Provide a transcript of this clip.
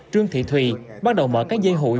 trương thị thùy bắt đầu mở các dây hụi